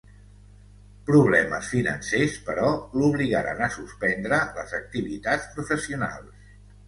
Problemes financers, però, l'obligaren a suspendre les activitats professionals.